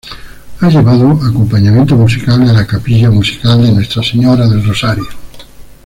Ha llevado acompañamiento musical de la Capilla Musical de Nuestra Señora del Rosario.